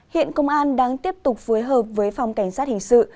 hiện công an đang tiếp tục phối hợp với phòng cảnh sát hình sự